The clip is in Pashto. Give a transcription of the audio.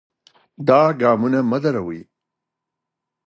دا ګامونه مه دروئ.